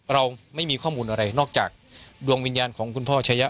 เราไม่มีข้อมูลอะไรนอกจากดวงวิญญาณของคุณพ่อชะยะ